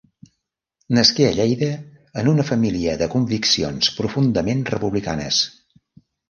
Nasqué a Lleida en una família de conviccions profundament republicanes.